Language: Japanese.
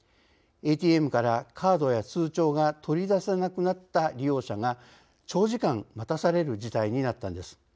ＡＴＭからカードや通帳が取り出せなくなった利用者が長時間待たされる事態になったのです。